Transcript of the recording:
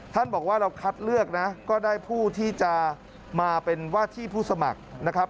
บอกว่าเราคัดเลือกนะก็ได้ผู้ที่จะมาเป็นว่าที่ผู้สมัครนะครับ